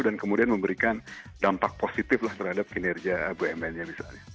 dan kemudian memberikan dampak positif lah terhadap kinerja bumn nya misalnya